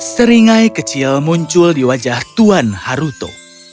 seringai kecil muncul di wajah tuan haruto